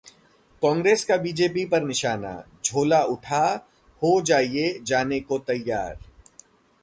कांग्रेस का बीजेपी पर निशाना, झोला उठा हो जाइये जाने को तैयार